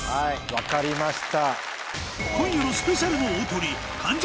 分かりました。